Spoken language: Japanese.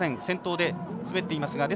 先頭で滑っています。